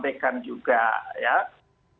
kemungkinan ini kemudian disampaikan juga